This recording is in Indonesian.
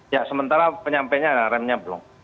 ya sementara penyampainya remnya belum